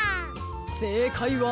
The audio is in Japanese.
せいかいは。